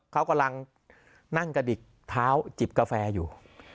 เขากำลังนั่งกระดิกเท้าจิบกาแฟอยู่